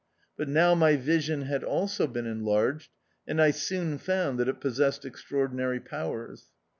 But now my vision had also been enlarged, and I soon found that it pos sessed extraordinary powers.